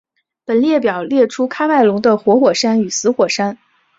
本列表列出喀麦隆的活火山与死火山。